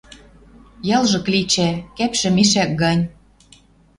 Ялжы клечӓ, кӓпшӹ мешӓк гань.